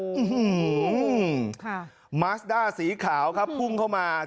ค่ะมาสด้าสีขาวครับฟุ่งเข้ามาชัก